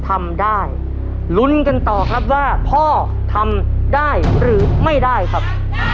ทำได้ลุ้นกันต่อครับว่าพ่อทำได้หรือไม่ได้ครับ